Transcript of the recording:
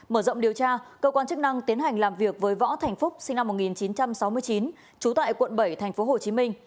mở rộng điều tra cơ quan chức năng tiến hành làm việc với võ thành phúc sinh năm một nghìn chín trăm sáu mươi chín trú tại quận bảy tp hcm